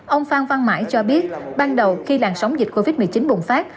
ông phan văn mãi cho biết ban đầu khi làn sóng dịch covid một mươi chín bùng phát